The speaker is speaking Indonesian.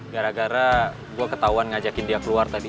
gara gara gue ketahuan ngajakin dia keluar tadi